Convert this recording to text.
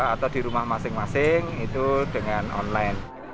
atau di rumah masing masing itu dengan online